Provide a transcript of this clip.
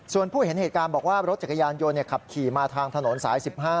ส่วนผู้เห็นเหตุการณ์บอกว่ารถจักรยานยนต์ขับขี่มาทางถนนสาย๑๕